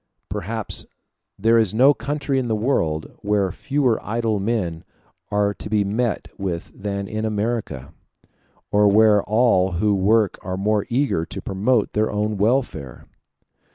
Perhaps there is no country in the world where fewer idle men are to be met with than in America, or where all who work are more eager to promote their own welfare.